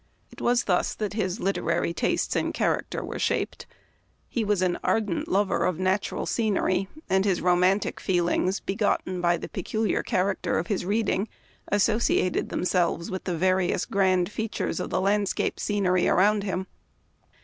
It was thus that his literary tastes and character were shaped. He was an ardent lover of natural scenery, and his romantic feelings, begotten by the peculiar character of his reading, associated themselves with the various grand features of the landscape scenery around him.